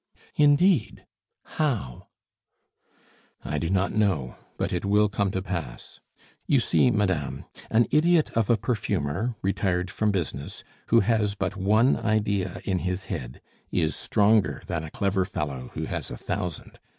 "Indeed; how?" "I do not know; but it will come to pass. You see, madame, an idiot of a perfumer retired from business who has but one idea in his head, is stronger than a clever fellow who has a thousand.